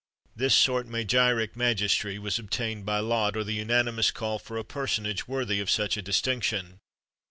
[XXXV 52] This sort magiric magistracy was obtained by lot, or the unanimous call for a personage worthy of such a distinction.